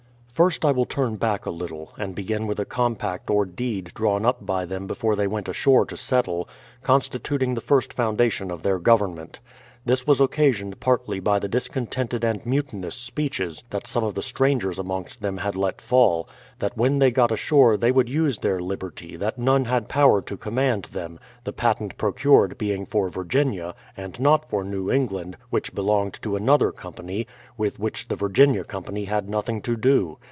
First, I will turn back a little, and begin with a compact or deed drawn up by them before they went ashore to settle, constituting the first foundation of their government. This was occasioned partly by the discontented and mutinous speeches that some of the strangers amongst them had let fall : that when they got ashore they would use their liberty that none had power to command them, the patent procured being for Virginia, and not for New England, which belonged to another company, with which the Vir ginia company had nothing to do.